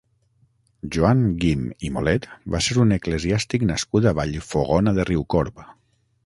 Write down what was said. Joan Guim i Molet va ser un eclesiàstic nascut a Vallfogona de Riucorb.